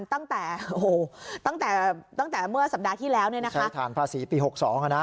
ตั้งแต่เมื่อสัปดาห์ที่แล้วใช้ฐานภาษีปี๖๒นะ